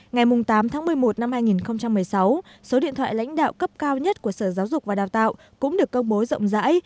ngày tám tháng một mươi một năm hai nghìn một mươi sáu số điện thoại lãnh đạo cấp cao nhất của sở giáo dục và đào tạo cũng được công bố rộng rãi